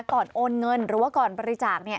โอนเงินหรือว่าก่อนบริจาค